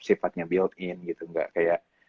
sifatnya built in gitu gak kayak